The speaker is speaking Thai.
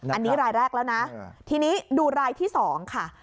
อันนี้รายแรกแล้วนะทีนี้ดูรายที่๒ค่ะ